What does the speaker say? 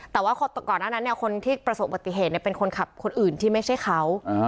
แต่ว่าก่อนหน้านั้นคนที่ประสบปฏิเหตุเป็นคนขับคนอื่นที่ไม่ใช่เขา